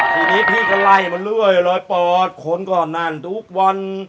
ทีนี้พี่ก็ไล่มาเรื่อยรอยปอดคนก่อนนั่นทุกวัน